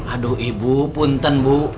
aduh ibu punten bu